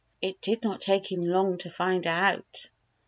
It did not take him long to find out.